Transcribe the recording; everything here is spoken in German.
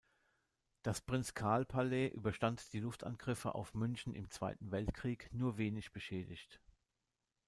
Das Prinz-Carl-Palais überstand die Luftangriffe auf München im Zweiten Weltkrieg nur wenig beschädigt.